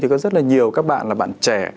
thì có rất là nhiều các bạn là bạn trẻ